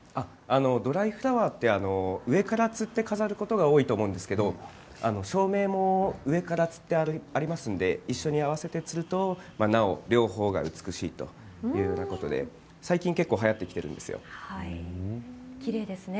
ドライフラワーは上からつって飾ることが多いと思うんですけれど照明も上からつってありますので一緒に合わせてつると両方が美しいというようなことで最近、結構きれいですね。